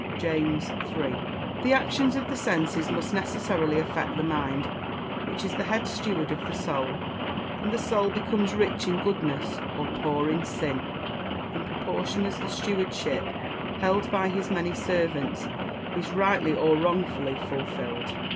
JAMES III.] The actions of the senses must necessarily affect the mind, which is the head steward of the Soul; and the Soul becomes rich in goodness, or poor in sin, in proportion as the stewardship, held by his many servants, is rightly or wrong fully fulfilled.